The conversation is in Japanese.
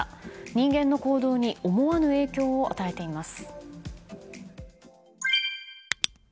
人間の行動に思わぬ影響を与えています。